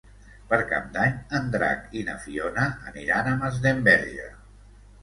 Per Cap d'Any en Drac i na Fiona aniran a Masdenverge.